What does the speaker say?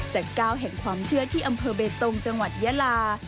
ก้าวแห่งความเชื่อที่อำเภอเบตงจังหวัดยาลา